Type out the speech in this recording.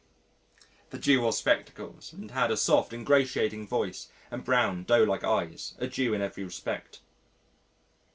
The Jew wore spectacles and had a soft ingratiating voice and brown doe like eyes a Jew in every respect.